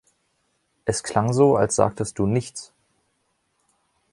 Es klang so, als sagtest du „nichts“.